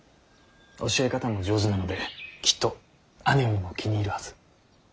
教え方も上手なのできっと義姉上も気に入るはず。